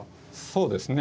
そうですね。